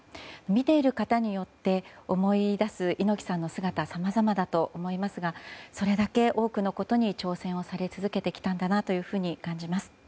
見ている方によって思い出す猪木さんの姿はさまざまだと思いますがそれだけ多くのことに挑戦をされ続けてきたんだなと感じます。